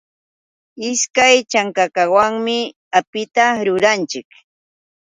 Ishkay chankakawanmi apita ruranchik.